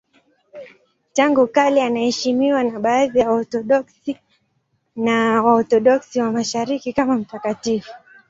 Tangu kale anaheshimiwa na baadhi ya Waorthodoksi na Waorthodoksi wa Mashariki kama mtakatifu.